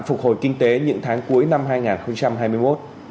phục hồi kinh tế những tháng cuối năm hai nghìn hai mươi một